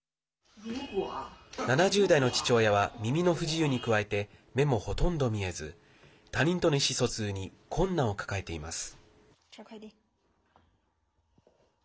７０代の父親は耳の不自由に加えて目もほとんど見えず他人との意思疎通に困難を抱えています。